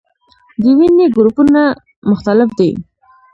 د وینې ګروپونه مختلف دي